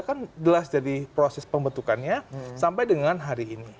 kan jelas dari proses pembentukannya sampai dengan hari ini